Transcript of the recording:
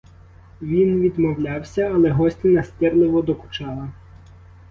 Він відмовлявся, але гості настирливо докучали.